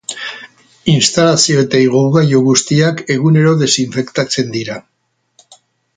Instalazio eta igogailu guztiak egunero desinfektatzen dira.